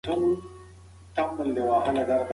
د بدن د تودوخې کنټرول د ناروغۍ په تشخیص کې مرسته کوي.